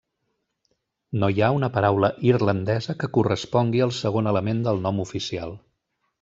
No hi ha una paraula irlandesa que correspongui al segon element del nom oficial.